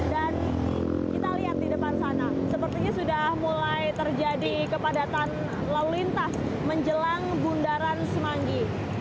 kita lihat di depan sana sepertinya sudah mulai terjadi kepadatan lalu lintas menjelang bundaran semanggi